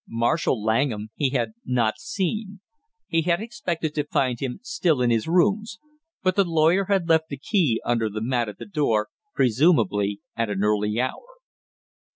Marshall Langham he had not seen. He had expected to find him still in his rooms, but the lawyer had left the key under the mat at the door, presumably at an early hour.